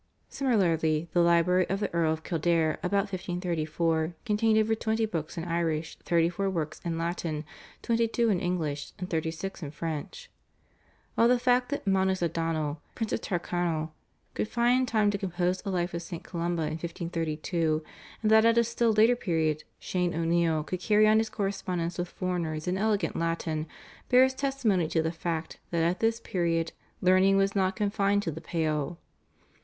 Similarly the library of the Earl of Kildare about 1534 contained over twenty books in Irish, thirty four works in Latin, twenty two in English and thirty six in French, while the fact that Manus O'Donnell, Prince of Tyrconnell, could find time to compose a Life of St. Columba in 1532, and that at a still later period Shane O'Neill could carry on his correspondence with foreigners in elegant Latin bears testimony to the fact that at this period learning was not confined to the Pale.